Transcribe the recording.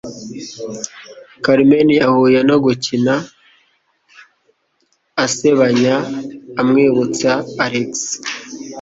Carmen yahuye no gukina asebanya amwibutsa Alex.